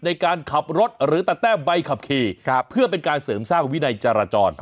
ในการขับรถหรือตัดแต้มใบขับขี่เพื่อเป็นการเสริมสร้างวินัยจราจร